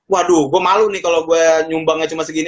waduh gue malu nih kalau gue nyumbangnya cuma segini